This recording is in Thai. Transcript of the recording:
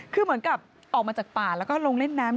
คือเหมือนกับออกมาจากป่าแล้วก็ลงเล่นน้ำ